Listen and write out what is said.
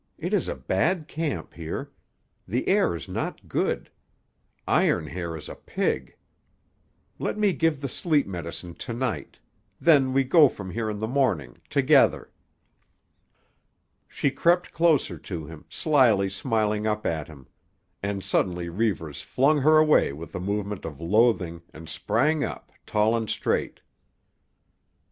It is a bad camp here. The air is not good. Iron Hair is a pig. Let me give the sleep medicine to night; then we go from here in the morning—together." She crept closer to him, slyly smiling up at him; and suddenly Reivers flung her away with a movement of loathing and sprang up, tall and straight.